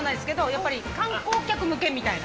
やっぱり観光客向けみたいな。